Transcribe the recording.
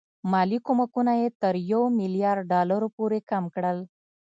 مالي کومکونه یې تر یو میلیارډ ډالرو پورې کم کړل.